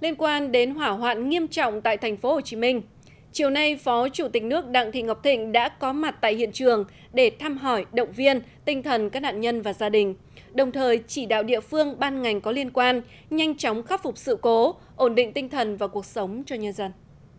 liên quan đến hỏa hoạn nghiêm trọng tại tp hcm chiều nay phó chủ tịch nước đặng thị ngọc thịnh đã có mặt tại hiện trường để thăm hỏi động viên tinh thần các nạn nhân và gia đình đồng thời chỉ đạo địa phương ban ngành có liên quan nhanh chóng khắc phục sự cố ổn định tinh thần và cuộc sống cho nhân dân